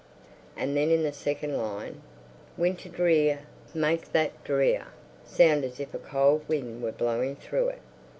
And then in the second line, Winter Drear, make that Drear sound as if a cold wind were blowing through it.